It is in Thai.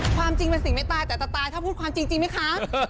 ความจริงเป็นสิ่งไม่ตายแต่จะตายถ้าพูดความจริงไหมคะ